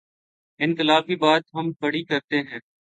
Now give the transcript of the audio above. انقلا ب کی بات ہم بڑی کرتے ہیں۔